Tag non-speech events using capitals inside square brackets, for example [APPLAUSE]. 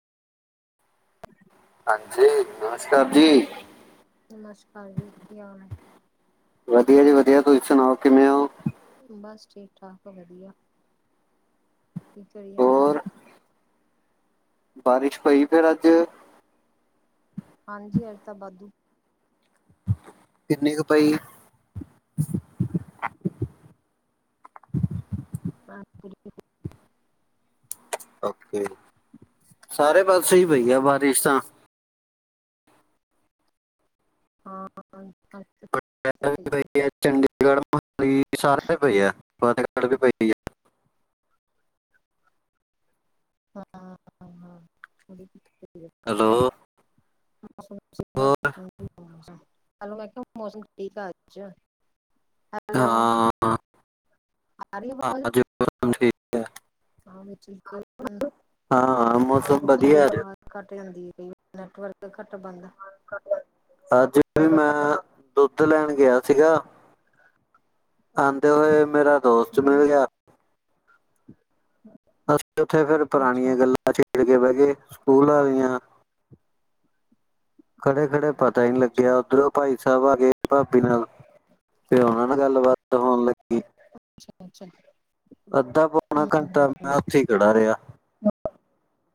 ਹਾਂਜੀ, ਨਮਸਕਾਰ ਜੀ। ਨਮਸਕਾਰ ਜੀ, ਕੀ ਹਾਲ ਹੈ? ਵਧੀਆ ਜੀ- ਵਧੀਆ, ਤੁਸੀਂ ਸੁਣਾਓ ਕਿਵੇਂ ਹੋ? ਬਸ ਠੀਕ-ਠਾਕ ਆ, ਵਧੀਆ ਕੀ ਕਰੀ ਜਾਂਦੇ? ਹੋਰ ਬਾਰਿਸ਼ ਹੋਈ ਫੇਰ ਅੱਜ। ਹਾਂਜੀ, ਅਜ ਤਾਂ ਵਾਧੂ ਕਿੰਨੀ ਕੁ ਪਾਈ? ਰਾਤ ਪੂਰੀ। ਓਕੇ, ਸਾਰੇ ਪਾਸੇ ਹੀ ਪਈ ਆ ਬਾਰਿਸ਼ ਤਾਂ। ਹਾਂਜੀ-ਹਾਂਜੀ। ਸ਼ਹਿਰ ਵੀ ਪਈ ਹੈ ਚੰਡੀਗੜ੍ਹ, ਮੋਹਾਲੀ ਸਾਰੇ ਪਈ ਹੈ ਫਤਿਹਗੜ੍ਹ ਵੀ ਪਈ ਹੈ। ਹਾਂ [UNINTELLIGIBLE] ਲ ਆ ਚਲੋ ਹੋਰ [UNINTELLIGIBLE] ਹੈਲੋ ਮੈ ਕਿਹਾ ਮੌਸਮ ਠੀਕ ਆ ਅੱਜ। ਹੈਲੋ ਹਾਂ, ਆ ਰਹੀ ਆਵਾਜ਼ ਅਜ ਮੋਸਮ ਠੀਕ ਹੈ। ਹਾਂ ਵਿੱਚ ਹਾਂ, ਮੌਸਮ ਵਧੀਆ ਹੈ ਅੱਜ। ਆਵਾਜ਼ ਘੱਟ ਜਾਂਦੀ ਹੈ ਕਈ ਵਾਰ ਨੈਟਵਰਕ ਘੱਟ ਬੰਦ ਅੱਜ ਵੀ ਮੈਂ ਦੁੱਧ ਲੈਣ ਗਿਆ ਸੀਗਾ। ਆਉਂਦੇ ਹੋਏ ਮੇਰਾ ਦੋਸਤ ਹੂੰ ਮਿਲ ਗਿਆ। ਬਸ, ਉੱਥੇ ਫੇਰ ਪੁਰਾਣੀਆਂ ਅੱਛਾ ਗੱਲਾਂ ਛੇੜ ਕੇ ਬਹਿ ਗੇ ਸਕੂਲਾਂ ਵਲਿਆ। ਖੜੇ-ਖੜੇ ਪਤਾ ਹੀ ਲੱਗਿਆ ਅੱਛਾ ਉੱਧਰੋਂ ਭਾਈ ਸਾਹਿਬ ਆ ਗਏ ਭਾਬੀ ਨਾਲ। ਫਿਰ ਉਹਨਾਂ ਨਾਲ ਗੱਲ-ਬਾਤ ਹੋਣ ਲੱਗੀ। ਅੱਛਾ-ਅੱਛਾ। ਅੱਧਾ-ਪੌਣਾ ਘੰਟਾ ਮੈਂ ਉੱਥੇ ਹੀ ਖੜਾ ਰਿਹਾ।